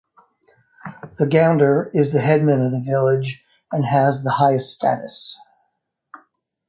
The "Gounder" is the headman of the village and has the highest status.